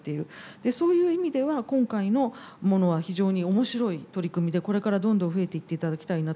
でそういう意味では今回のものは非常に面白い取り組みでこれからどんどん増えていっていただきたいなと。